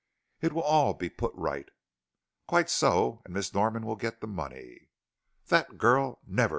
"It will all be put right." "Quite so, and Miss Norman will get the money." "That girl never!"